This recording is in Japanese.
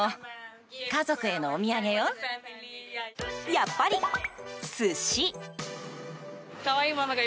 やっぱり寿司。